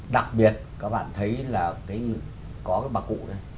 đặc biệt các bạn thấy là có cái bà cụ này